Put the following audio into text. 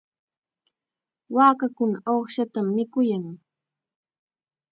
Waakakuna uqshatam mikuyan.